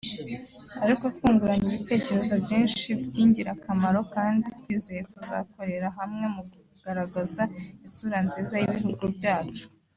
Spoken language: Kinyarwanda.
ariko twunguranye ibitekerezo byinshi by’ingirakamaro kandi twizeye kuzakorera hamwe mu kugaragaza isura nziza y’ibihugu byacu